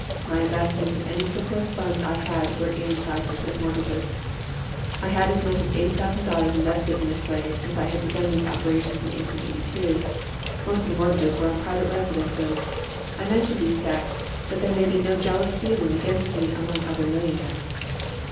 My investments of any surplus funds I had were in 5 per cent. mortgages. I had as much as $80,000 invested in this way since I had begun these operations in 1882. Most of the mortgages were on private residences. I mention these facts that there may be no jealous feeling against me among other millionaires.